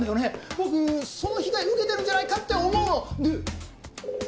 僕その被害受けてるんじゃないかって思うのどう？